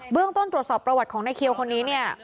เรื่องต้นตรวจสอบประวัติของนายเคียวคนนี้เนี่ย